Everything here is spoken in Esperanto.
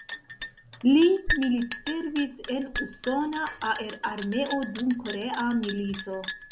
Li militservis en usona aerarmeo dum Korea milito.